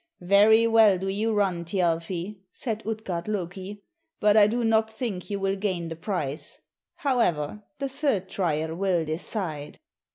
"Very well do you run, Thjalfi," said Utgard Loki; "but I do not think you will gain the prize. However, the third trial will decide."